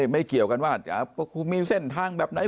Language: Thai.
ไม่เกี่ยวกันว่าคุณมีเส้นทางแบบไหน